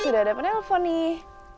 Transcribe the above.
sudah ada penelepon nih